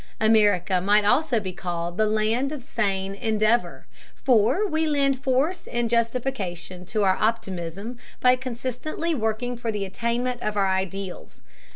America might also be called the land of Sane Endeavor, for we lend force and justification to our optimism by consistently working for the attainment of our ideals.